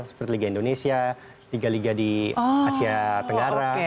seperti liga indonesia liga liga di asia tenggara